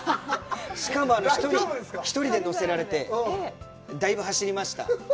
しかも、１人で乗せられて、だいぶ走りました。